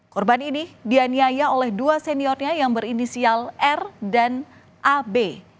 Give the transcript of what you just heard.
korban ini dianiaya oleh dua seniornya yang berinisial r dan ab